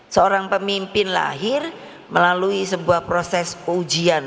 seorang pemimpin lahir melalui sebuah proses ujian